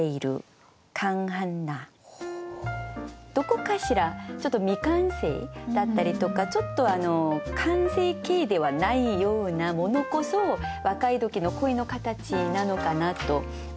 どこかしらちょっと未完成だったりとかちょっと完成形ではないようなものこそ若い時の恋の形なのかなと思って。